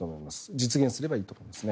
実現すればいいと思いますね。